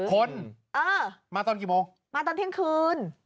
คนมาตอนกี่โมงมาตอนเที่ยงคืน